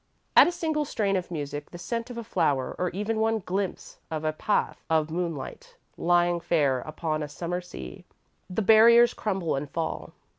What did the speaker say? At a single strain of music, the scent of a flower, or even one glimpse of a path of moonlight lying fair upon a Summer sea, the barriers crumble and fall.